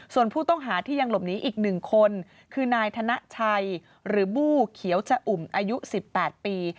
ส่วนผู้ต้องหาที่ยังหลบหนีอีก๑คนคือนายธนชัยหรือบู้เขียวชะอุ่มอายุ๑๘ปี